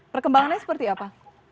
perkembangannya seperti apa